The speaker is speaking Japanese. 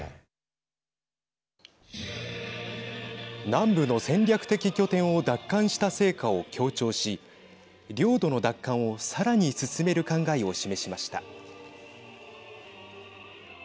南部の戦略的拠点を奪還した成果を強調し領土の奪還をさらに進める考えを示しました。